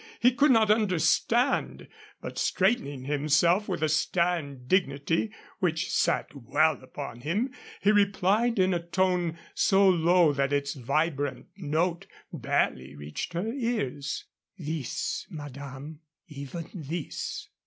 He could not understand. But, straightening himself with a stern dignity, which sat well upon him, he replied in a tone so low that its vibrant note barely reached her ears. "This, madame, ... even this."